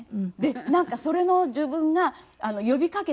なんかそれの自分が呼びかけてて。